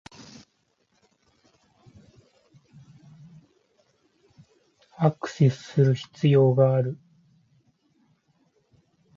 アクセスする必要がある